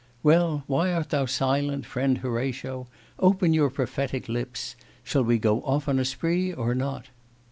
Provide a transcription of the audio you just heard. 'Well, why art thou silent, friend Horatio? Open your prophetic lips. Shall we go off on a spree, or not?